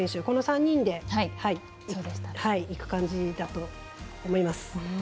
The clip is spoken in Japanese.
この３人でいく感じだと思います。